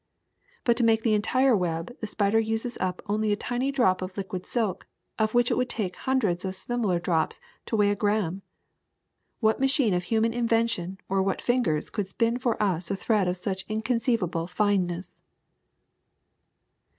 But to make the entire web the spider uses up only a tiny drop of liquid silk, of which it would take hundreds of similar drops to weigh a gramme. What machine of human inven tion or what fingers could spin for us a thread of any such inconceivable fineness